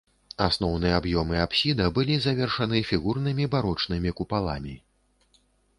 Асноўны аб'ём і апсіда былі завершаны фігурнымі барочнымі купаламі.